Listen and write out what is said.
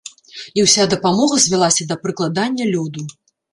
І ўся дапамога звялася да прыкладання лёду.